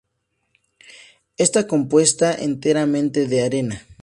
Está compuesta enteramente de arena.